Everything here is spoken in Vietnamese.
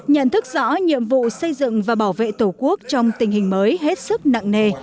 nhận thức rõ nhiệm vụ xây dựng và bảo vệ tổ quốc trong tình hình mới hết sức nặng nề